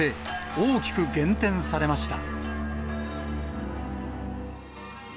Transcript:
大きく減点されました。